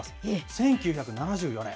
１９７４年。